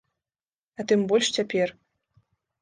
А тым больш цяпер.